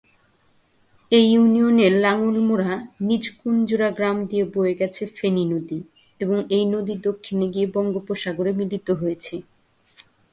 এই ইউনিয়নের লাঙ্গলমোড়া-নিজকুঞ্জরা গ্রাম দিয়ে বয়ে গেছে ফেনী নদী এবং এই নদী দক্ষিণে গিয়ে বঙ্গোপসাগরে মিলিত হয়েছে।